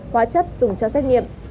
hóa chất dùng cho xét nghiệm